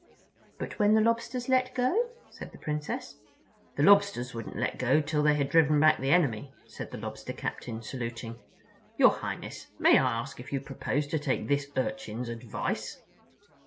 "But when the Lobsters let go?" said the Princess. "The Lobsters wouldn't let go till they had driven back the enemy," said the Lobster Captain, saluting. "Your Highness, may I ask if you propose to take this Urchin's advice?"